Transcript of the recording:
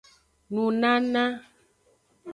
Nunana.